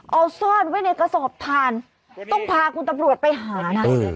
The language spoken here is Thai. เอาซ่อนไว้ในกระสอบทานต้องพาคุณตำรวจไปหานะ